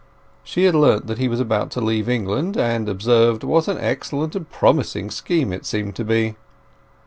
She had learnt that he was about to leave England, and observed what an excellent and promising scheme it seemed to be.